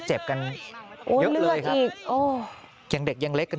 เจ็บกันเยอะเลยโอ้เรื่องอีกไอ้โอ้เก่งเด็กยังเล็กกัน